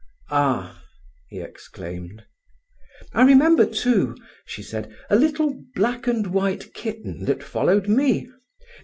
"Ah!" he exclaimed. "I remember, too," she said, "a little black and white kitten that followed me.